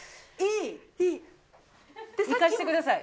いかしてください。